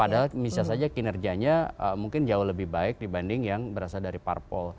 padahal bisa saja kinerjanya mungkin jauh lebih baik dibanding yang berasal dari parpol